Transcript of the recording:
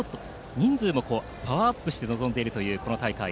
人数もパワーアップして臨んでいるというこの大会。